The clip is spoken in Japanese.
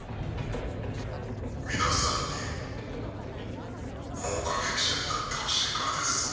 皆さんに目撃者になってほしいからです。